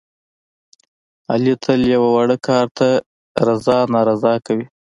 علي تل یوه واړه کار ته رضا نارضا کوي.